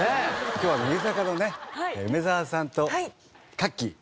今日は乃木坂のね梅澤さんとかっきー。